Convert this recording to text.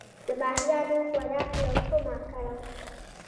د ماهیانو خوراک له کومه کړم؟